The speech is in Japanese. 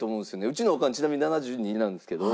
うちのおかんちなみに７２なんですけど。